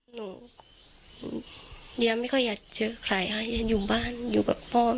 หนูยังไม่ค่อยอยากเจอใครฮะอยู่บ้านอยู่กับพ่อแม่ก่อนฮะ